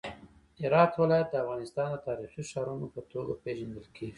هرات ولایت د افغانستان د تاریخي ښارونو په توګه پیژندل کیږي.